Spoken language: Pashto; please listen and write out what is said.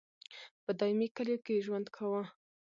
په دایمي کلیو کې یې ژوند کاوه.